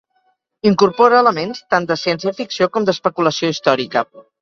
Incorpora elements tant de ciència-ficció com d'especulació històrica.